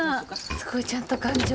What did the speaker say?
すごいちゃんと頑丈に。